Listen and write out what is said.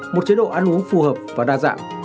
một chế độ ăn uống phù hợp và đa dạng